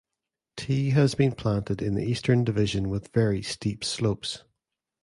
Tea has been planted in the Eastern Division with very steep slopes.